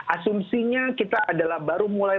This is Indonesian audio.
asumsinya kita adalah baru mulai